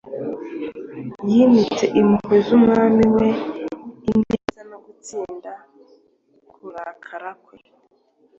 yibutse impuhwe z’umwami we, ineza no gutinda kurakara kwe